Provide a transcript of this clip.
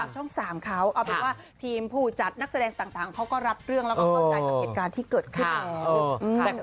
ช่อง๓เขาเอาเป็นว่าทีมผู้จัดนักแสดงต่างเขาก็รับเรื่องแล้วก็เข้าใจกับเหตุการณ์ที่เกิดขึ้นแล้ว